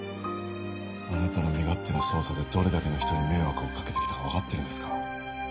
あなたの身勝手な捜査でどれだけの人に迷惑をかけてきたか分かってるんですか